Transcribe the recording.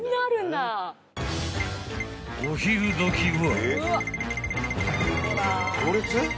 ［お昼時は］